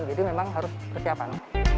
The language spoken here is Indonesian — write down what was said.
jadi memang harus persiapan